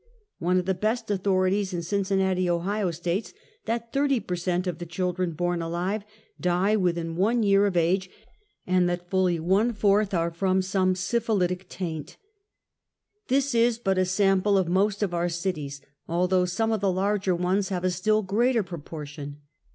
One of the best authorities in Cincinnati, Ohio, states that thirty per cent, of the children born alive, die before one year of age, and that fully one fourth are from some ^ s^^ilitic taint. ^ 4 50 UNMASKED. This is but a sample of most of our cities, although some of the larger ones have a still greater propor tion.